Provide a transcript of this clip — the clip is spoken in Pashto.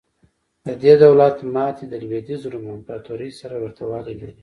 د دې دولت ماتې د لوېدیځ روم امپراتورۍ سره ورته والی لري.